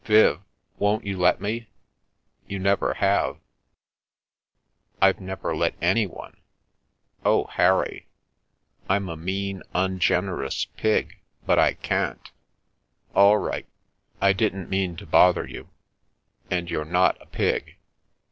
" Viv, won't you let me? You never have "" I've never let anyone — Oh, Harry, I'm a mean, un generous pig, but I can't !"" All right. I didn't mean to bother you. And you're not a pig.